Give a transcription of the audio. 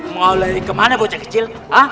mau lari kemana bocah kecil